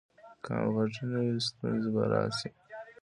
که همغږي نه وي، ستونزې به راشي.